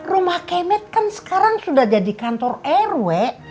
rumah kemet kan sekarang sudah jadi kantor rw